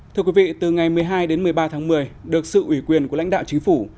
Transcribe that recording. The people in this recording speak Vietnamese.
thưa quý vị từ ngày một mươi hai đến một mươi ba tháng một mươi được sự ủy quyền của lãnh đạo chính phủ